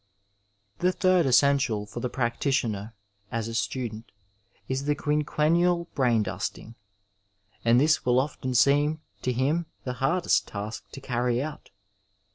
The third essential for the practitioner as a student is the quinquennial brain dusting, and this will often seem to him the hardest^^task to carry out.